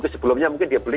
sebelumnya mungkin dia beli